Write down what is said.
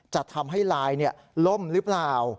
จะทำให้ลายล่มหรือเปล่า